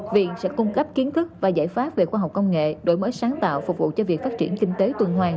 viện sẽ cung cấp kiến thức và giải pháp về khoa học công nghệ đổi mới sáng tạo phục vụ cho việc phát triển kinh tế tuần hoàng